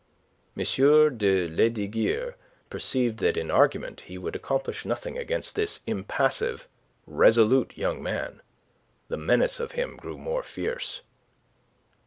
M. de Lesdiguieres perceived that in argument he would accomplish nothing against this impassive, resolute young man. The menace of him grew more fierce.